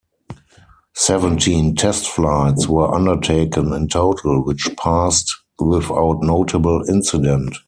Seventeen test flights were undertaken in total, which passed without notable incident.